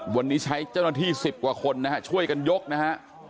วันนี้ใช้เจ้าหน้าที่๑๐กว่าคนนะฮะช่วยกันยกนะฮะ